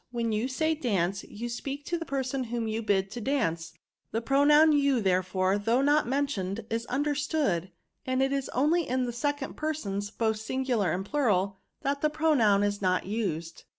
When you say iaaice, you speak to the person whom you bid to dance; the pronoun you, therefore, though not men* tioned, is understood, and it is only in the second persons, both singular and plural, that the pronoun is not used."